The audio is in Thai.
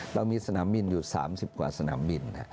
เรามีสนามบินอยู่๓๐กว่าสนามบิน